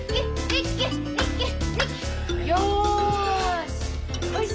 よし。